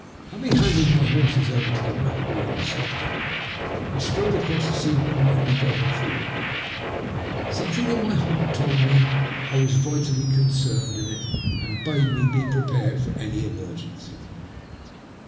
Having handed my horses over to the black boy at the stockyard, I strode across to see what might be going forward. Some thing in my heart told me I was vitally concerned in it, and bade me be prepared for any emergency.